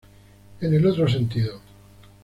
En el otro sentido.